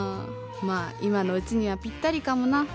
まあ今のウチにはぴったりかもな。